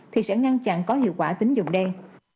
thì sẽ ngăn chặn có hiệu quả tính dụng đen